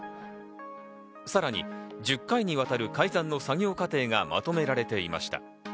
さらに１０回にわたる改ざんの作業過程がまとめられていました。